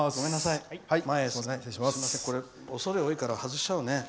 恐れ多いから外しちゃおうね。